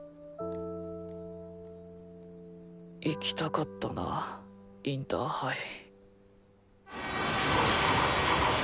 行きたかったなインターハイ。